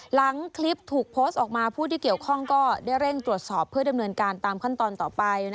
หลังคลิปออกมาผู้ที่เกี่ยวข้องได้เร่งตรวจสอบตามขั้นตอนต่อไป